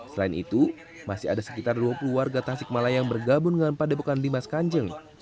selain itu masih ada sekitar dua puluh warga tasik malaya yang bergabung dengan padepokan dimas kanjeng